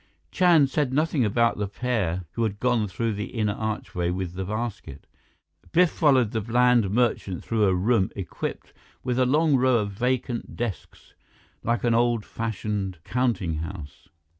Chand said nothing about the pair who had gone through the inner archway with the basket. Biff followed the bland merchant through a room equipped with a long row of vacant desks, like an old fashioned counting house.